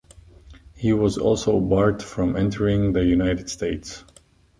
He was also barred from entering the United States.